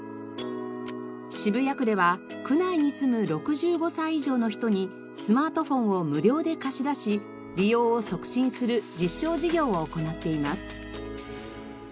渋谷区では区内に住む６５歳以上の人にスマートフォンを無料で貸し出し利用を促進する実証事業を行っています。